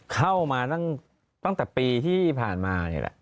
เข้ามาตั้งแต่ปีที่ผ่านมานี่แหละ